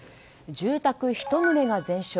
住宅１棟が全焼。